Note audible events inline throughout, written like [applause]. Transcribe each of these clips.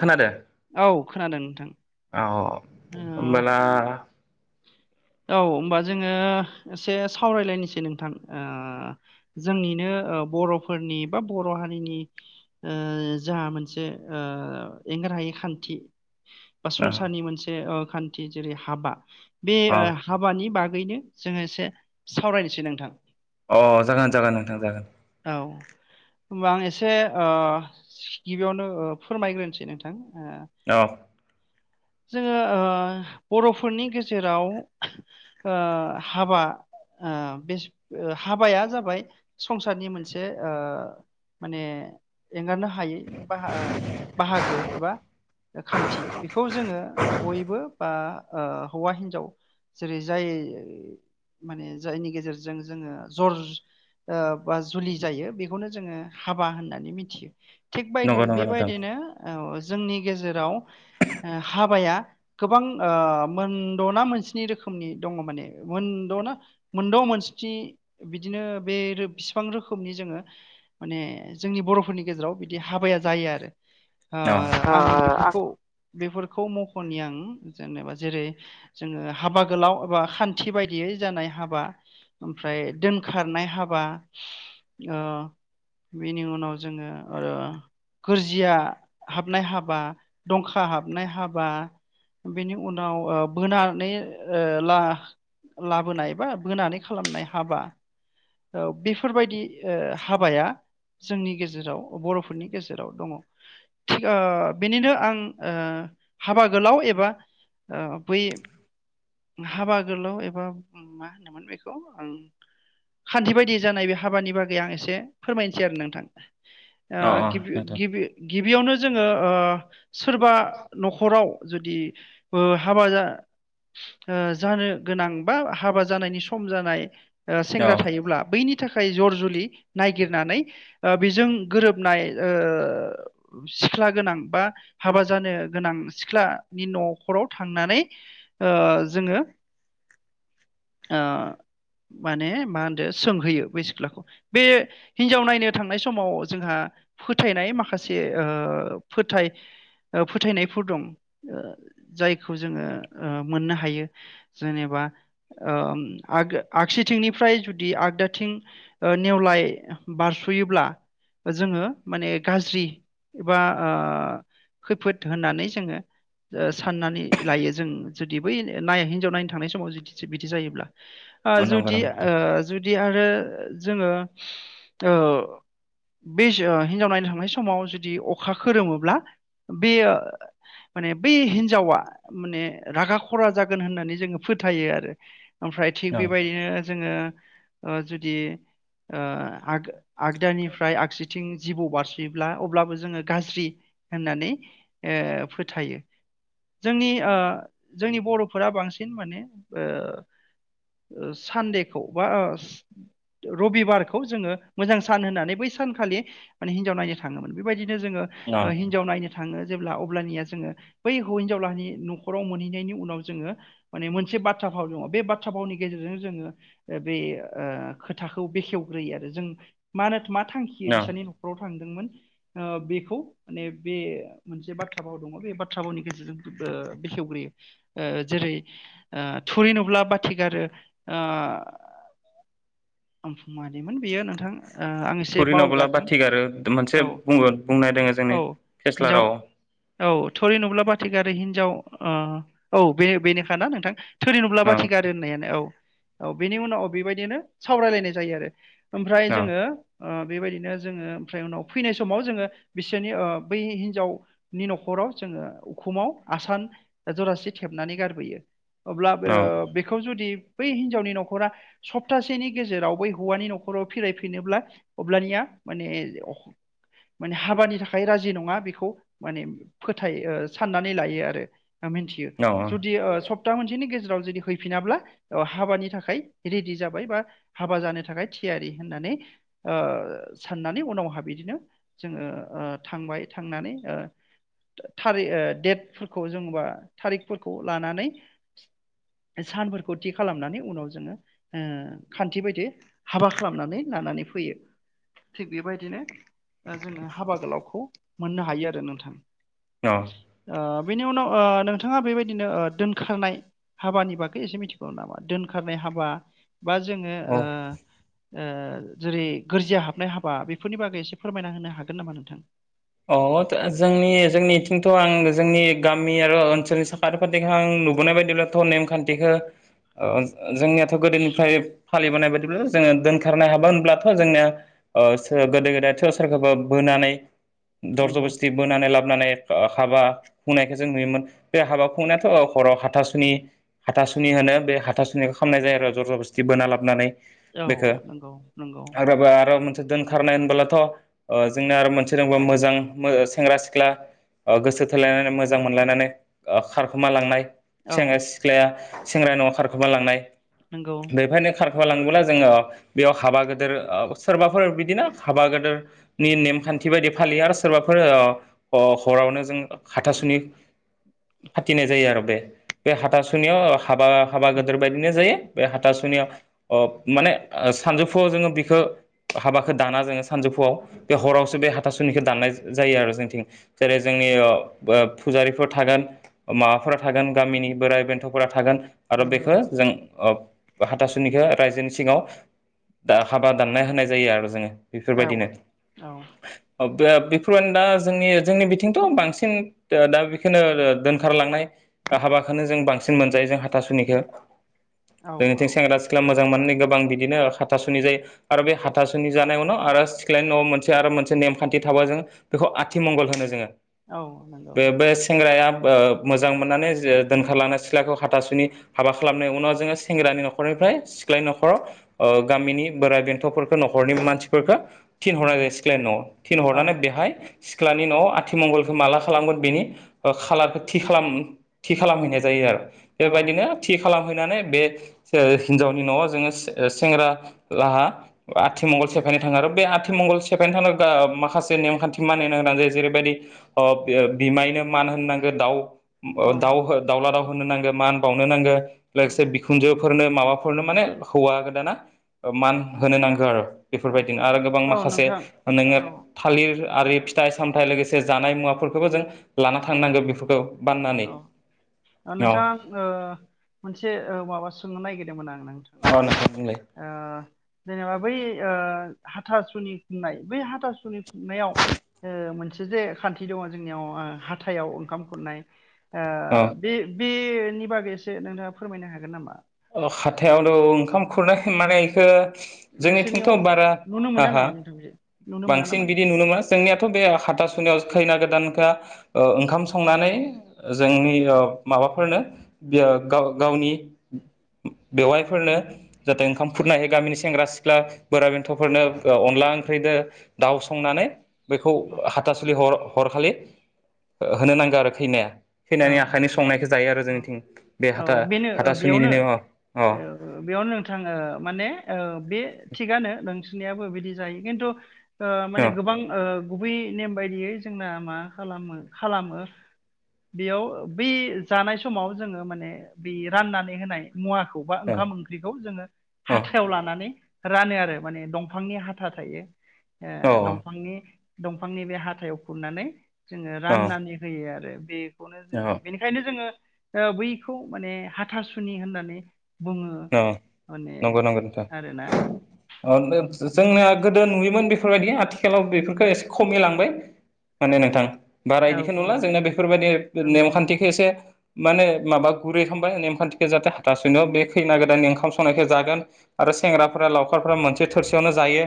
खोनादों औ खोनादों नोंथां औ ओ होमबला औ होमबा जोंङो एसे सावरायलायनोसै नोंथां जोंनिनो बरफोरनि बा बर हारिनि जा मोनसे एंगारायै खान्थि बा औ संसारनि मोनसे खान्थि जेरै हाबा बे अ हाबानि बाग नो जोंङो एसे सावरायनोसै नोंथां अ जागोन जागोन नोंथां जागोन औ होनबा आं एसे गिबियावनो फोरमायग्रोनोसै नोंथां औ जोंङो ओ बरफोरनि गेजेराव हाबा बे हाबाया जाबाय संसारनि मोनसे माने एंगारनो ह बाहागो एबा खानथि जोङो बयबो बा ओ हौवा हिन्जाव जेरै जाय माने जायनि गेजेरजों जोङो जर ओ बा जुलि जायो बेखौनो जोङो हाबा होननानै मिथियो। थिग बदि नंगौ नंगौ नोंथां बेबायदिनो औ जोंनि गेजेराव ओ हाबाया गोबां मोनद'ना मोनस्नि रोखोमनि दङ माने मोनद'ना मोनद' मोनस्नि बिदिनो बे बिसिबां रोखोमनि जोङो माने जोंनि बर'फोरनि गेजेराव बिदि हाबाया जायो आरो ओ औ आं बेफोरखौ बेफोरखौ मख'नि आं जेनेबा जेरै जोङो हाबा गोलाव एबा खान्थि बायदियै जानाय हाबा, ओमफ्राय दोनखारनाय हाबा, ओ बेनि उनाव जोङो ओ गोरजिया हाबनाय हाबा, दं हखा हाबनाय हाबा, बेनि उनाव बोनानै लाबोनाय बा बोनानै खालामनाय हाबा बेफोरबायदि ओ हाबाया जोंनि गेजेराव बर'फोरनि गेजेराव दङ थिग बेनिनो ओ हाबा गोलाव एबा ओ बै हाबा गोलाव एबा मा होनोमोन बेखौ आं खान्थि बायदि जानाय बे हाबानि बाग गै आं एसे फोरमायनोसै आरो नोंथां। ओ अ गिबि नोंथां गिबि गिबियावनो जोङो ओ सोरबा न'खराव जुदि ओ हाबा जानो गोनां बा हाबा जानायनि सम जानाय ओ औ सेंग्रा थायोब्ला बैनि नि थाखाय जर जुलि नायगिरनानै ओ बेजों गोरोबनाय ओ सिख्ला गोनां बा हाबा जानो गोनां सिख्लानि न'खराव थांनानै ओ जोङो ओ माने मा होनदो सोंहैयो बै सिख्लाखौ बे हिनजाव नायनो थांनाय समाव जोंहा फोथायनाय माखासे ओ फोथाय ओ फोथायनायफोर दं ओ जायखौ जोङो मोननो हायो ओ जेनेबा आगसिथिंनिफ्राय जुदि आगदाथिं ओ नेवलाय बारस'योब्ला जोङो माने गाज्रि एबा ओ खैफोद होनानै जोङो ओ साननानै लायो जों जुदि बै नाय हिजाव नायनो थांनाय समाव जि बिदि जायोब्ला। आ औ नंगौ जुदि नंगौ नोंथां ओ जुदि आरो जोङो ओ बे हिनजाव नायनो थांनाय समाव जुदि अखा खोरोमोब्ला बेयो माने बै हिन्जावा माने रागा खरा जागोन होननानै जोङो फोथायो आरो ओमफ्राय थिग औ बेबायदिनो जोङो ओ जुदि ओ आग आगदानिफ्राय आगसि बिथिं जिबौ बारसिब्ला अब्लाबो जोङो गाज्रि होननानै ओ फोथायो जोंनि ओ जोंनि बर'फोरा बांसिन माने ओ सानदेखौ बा रबिबारखौ जोङो मोजां सान होननानै बै सानखालि माने हिनजाव नायनो थाङोमोन बेबायदिनो जोङो औ हिनजाव नायनो थाङो। जेब्ला अब्लानिया जोङो बै हौ हिनजावलाहानि न'खराव मोनहैनायनि उनाव जोङो माने मोनसे बाथ्रा भाव दङ बे बाथ्रा भावनि गेजेरजों जोङो बे ओ खोथाखौ बेखेवग्रोयो आरो जों मा होनो मा थांखि औ बिसोरनि न'खराव थांदोंमोन। ओ बिखौ माने बे मोनसे बाथ्रा भाव दङ बे बाथ्रा भावनि गेजेरजों ओ बेखेवग्रोयो ओ जेरै ओ थुरि नुब्ला बाथि गारो ओ आमफाय मादिमोन बेयो नोंथां? ओ आं एसे थुरि नुबोला बावगारदों बाथि गारो मोनसे औ बुंङो बुंनाय दं। औ हिनजाव औ थुरि नुब्ला बाथि गारो हिन हिनजाव ओ औ बे बेनोखा ना नोंथां? थोरि नुब्ला औ बाथि गारो होननायानो औ। औ बेनि उनाव बेबायदिनो सावरायलायनाय जायो आरो। ओमफ्राय जोङो ओ बेबायदिनो जोङो ओमफ्राय उनाव फैनाय समाव जोङो बिसोरनि ओ बै हिनजावनि न'खराव जोङो उखुमाव आसान जरासे थेबनानै गारबोयो। अब्लाबो औ बेखौ जुदि बै हिनजावनि न'खरा सप्तासेनि गेजेराव बै हौवानि न'खराव फिरायफिनोब्ला अब्लानिया माने [inaudible] मा हाबानि थाखाय राजि नङा बेखौ माने फोथाय ओ साननानै लायो आरो। ओ मोनथियो जुदि औ ओ सप्ता मोनसेनि गेजे राव जुदि हैफिनाब्ला ओ हाबानि थाखाय रेडि जाबाय बा हाबा जानो थाखाय थियारि होननानै ओ साननानै उनावहा बिदिनो जोङो ओ थांबाय थांनानै ओ था-थारि ओ डेटफोरखौ जोंबा थारिखफोरखौ लानानै सानफोरखौ थि खालामनानै उनाव जोङो ओ खान्थि बायदि हाबा खालामनानै लानानै फैयो थिग बेबायदिनो जोङो हाबा गोलावखौ मोननो हायो आरो नोंथां। औ ओ बेनि उनाव ओ नोंथाङा बेबायदिनो ओ दोनखारनाय हाबानि बागै एसे मिथिगौ नामा? दोनखारनाय हाबा बा जोङो ओ औ ओ जेरै गोरजिया हाबनाय हाबा बेफोरनि बागै एसे फोरमायना होनो हागोन नामा नोंथां? अ था जोंनि जोंनिथिंथ' आं जोंनि गामि आरो ओनसोलनि साखाथि फाथिखौ आं नुबोनाय बायदिब्लाथ' नेमखान्थिखो ओ जोंनियाथ' गोदोनिफ्राय फालिबोनाय बायदिब्ला जोङो दोनखारनाय हाबा होनब्लाथ' जोंनिया ओ सोर गोदो गोदायथ' सोरखौबा बोनानै दर नंगौ ज'बस्थि बोनानै लाबोनानै ओ हाबा खुंनायखौ जों नुयोमोन बे हाबा खुंनायाथ' हराव हाथासुनि हाथासुनि होनो बे हाथासुनिखौ खामनाय जायो आरो जर ज'बस्थि बोना लाबोनानै औ बेखो नंगौ नंगौ आरोबा आरो मोनसे दोनखारनाय होनबोलाथ' थ ओ जोंना आरो मोनसे जोंबो मोजां मो सेंग्रा सिख्ला ओ गोसो थोलायनानै मोजां मोनलायनानै ओ खारखोमा लांनाय। औ सेंग्रा सिख्लाया सेंग्रानि न'आव खारखोमा लांनाय। नंगौ बेफायनो खार लांङोबोला जोङो बेयाव हाबा गोदोर ओ सोरबाफोर बिदिनो हाबा गेदेरनि नेमखान थि बायदि फालियो आरो सोरबाफोर ओ ह-हरावनो जों हाथासुनि फाथिनाय जायो आरो बे बे हाथासुनियाव हाबा हाबा गोदोर बायदिनो जायो बे हाथासुनियाव अ माने ओ सानजौफुआव जोङो बिखौ हाबाखौ दाना जोङो सानजौफुआव बे हराव बे हाथासुनिखौ दाननाय जायो आरो जोंथिं जेरै जोंनि ओ फुजारिफोर थागोन माबाफोरा थागोन गामिनि बोराइ बेन्थ'फोरा थागोन आरो नंगौ बेखौ जों ओ हाथासुनिखौ रायजोनि सिङाव दा हाबा दानना होनाय जायो आरो जोङो औ बेफोरबायदिनो औ ओप बो बेफोरबायदि दा जोंनि जोंनि बिथिंथ' बांसिन दा बेखौनो दोनखारलांनाय हाबाखौनो जों बांसिन मोनजायो जों हाथासुनिखौ औ जोंनिखै औ सेंग्रा सिख्ला मो जां मोननाय गोबां बिदिनो हाथासुनि जायो आरो बे हाथासुनि जानाय उनाव आरो सिख्ला न'आव मोन से आरो मोनसे नेमखान्थि थाबा जों बेखौ आथिमंगल होनो जोङो। औ नंगौ बेबो सेंग्राया ओ मोजां मोननानै ओ दोनखारलांनाय सिख्लाखौ हाथासुनि हाबा खालामनायनि उनाव जोङो सेंग्रानि न'खरनिफ्राय सिख्लानि न'खराव ओ गामिनि बोराइ बेन्थ'फोरखौ न'खरनि मानसिफोरखौ थिनहरनाय जायो सि ख्लानि न'आव औ थिनहरनानै बेहाय सिख्लानि न'आव आथिमंगलखौ माला खालामगोन बेनि ओ खालारखौ थि खालाम थि खालामहैनाय जायो आरो। औ बेबायदिनो थि खालाम नानै बे हिनजावनि न'आव जो सेंग्रा लाहा आथिमंगल सेफायनो थाङो आरो बे आथिमंगल सेफायनो थांनांगौ गा माखासे नेमखान्थि मानि होनो गोनां जायो जेरैबायदि ओ बिमायनो मान होननांगौ दाउ औ ओ दाव हो दावला दाव होननो नांगो मान बावनो नांगो लोगोसे बिखुन्जो फोरनो माबाफोरनो माने हौवा गोदाना मान‌ होनो नांगौ आरो। औ बेफोरबायदिनो आरो गोबां औ माखासे नोंथां नोङो औ थालिर आरि फिथाइ सामथाइ लोगोसे जानाय मुवाफोरखौबो जों लाना थांनांगौ बेफोरखौ औ बाननानै ओ औ नोंथां ओ मोनसे ओ माबा सोंनो नागिर दोंमोन आं औ नोंथां बुंलाय [inaudible] ओ जेनेबा बै ओ हाथासुनि खुंनाय बै हाथासुनि खुंनायाव ओ मोनसे जे खान्थि दङ जोंनियाव हाथायाव ओंखाम खुरनाय ओ‌ औ बे बेनि बागै एसे नोंथाङा फोरमायनो हागोन नामा? अ हाथायावथ' ओंखाम खुरनाय माने इखो जोंनिथिंथ' नोंसोरनियाव बारा नुनो मोना हाहा नामा नोंथां बे नुनो मोना बांसिन नामा बिदि नोंसोर? नुनो मोना जोंनियाथ' बे हाथासुनियाव खैना गोदान खा ओ ओंखाम संनानै जोंनि ओ माबाफोरनो यो गा-गावनि बेवयायफोरनो जाहाथे ओंखाम खुरना होयो गामिनि सेंग्रा सिख्ला बोराइ बेन्थ'फोरनो ओ अनला ओंख्रिदो दाउ संनानै बेखौ औ हाथासुलि हर-हरखालि होनो नांगौ आरो खैनाया खैनानि आखाइनि औ संनायखौ जायो आरो जोंनिथिं बे हाथा-हाथासुनि नेम । औ-औ बेयावनो नोंथा ओ माने ओ बे थिगानो। नोंसोनियाबो बिदि जायो खिन्थु। ओ माने अ गोबां ओ। गुबै नेम बायदियै जोंना मा खालामो-खालामो। बेयाव बे जानाय समाव जोङो माने बे राननानै होनाय। मुवाखौ बा अ ओंखाम ओंख्रिखौ जोङो हाथायाव लानानै रानो आरो माने दं। दंफांनि हाथा थायो। ओ अ दंफांनि। दंफांनि बे हाथायाव खुरनानै। जोङो अ राननानै होयो आरो। बेयो। अ बेनिखायनो जोङो। औ बैखौ माने हाथासुनि होननानै। बुङो अ माने नंगौ-नंगौ नोंथां। आरोना [unintelligible] जोंनिया गोदो नुयोमोन बेफोरबायदि आथिखालाव बेफोरखौ एसे खमिलांबाय माने नोंथां। बारा औ इदिखौ औ नुला जोंना बेफोरबायदि नंगौ नंगौ नेमखान्थिखौ एसे। माने माबा गुरै खामबाय नेम-खानथिखो जाते हाथासुनियाव बे। खैना गोदाननि ओंखाम संनायखौ जागोन आरो सेंग्राफोरा लावखारफोरा मोनसे थोरसियावनो जायो।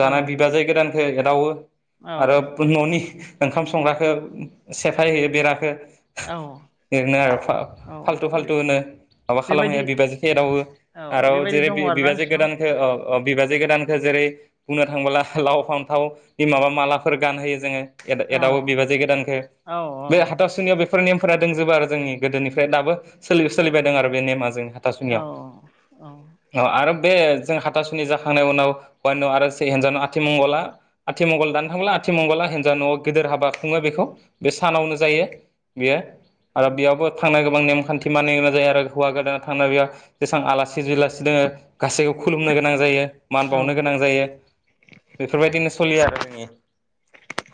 औ बिबाजै गोदान। खो एदावो। औ आरो पुनि न'नि। ओंखाम संग्राखो सेफाय हैयो बेराखो। औ ओरैनो आरो औ बे फाल्थु-फाल्थुनो माबा बेबायदि खालामहैयो बिबाजै। एदावो औ आर' बेबायदि जेरै दङ आरोना बिबाजै नोंसिनाव गोदानखो अ। अ बिबाजै गोदानखौ जेरै बुंनो थांबोला लाव-फान्थावनि माबा मालाफोर गानहोयो जोङो। एदाव-एदावो औ बिबाजै गोदानखो औ बे हाथाव सुनियाव बेफो। फोर नेमफोरा दंजोबो आरो जोंनि गोदोनिफ्राय दाबो सोलि- सोलिबायदों आरो बे नेमा जोंहाय। औ सुनियाव औ अ आर'। बे जों हाथासुनि जाखांनाय उनाव हुवानि उनाव आरो हिनजानाव आथिमंगला आथिमंगल दानो थांब्ला आथिमंगला हिनजाव न'आव गिदिर हाबा खुङो बेखौ बे सानावनो जायो बियो। आरो बेयावबो थांनांगौ। गोबां नेम-खानथि मानिनो गोनां जायो आरो हौवा गोदान। थांना बेयाव जेसेबां आलासि-जुलासि दङो गासैखौबो खुलुमनो गोनां जायो। मान औ बावनो गोनां जायो बेफोरबायदिनो सलियो आरो। [unintelligible]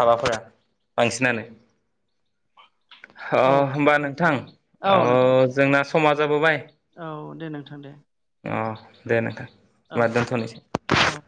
हाबाफोरा बांसिनानो ओ औ होमबा नंगौ नोंथां ओ औ नोंथां जोंना समा जाबोबाय। औ दे नोंथां दे । उ, दे नोंथां । होनबा दोनथ'नोसै औ ।